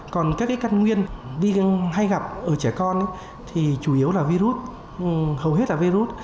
còn các cái căn nguyên hay gặp ở trẻ con thì chủ yếu là virus hầu hết là virus